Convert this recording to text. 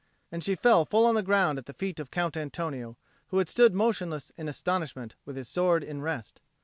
And she fell full on the ground at the feet of Count Antonio, who had stood motionless in astonishment, with his sword in rest.